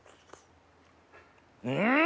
うん！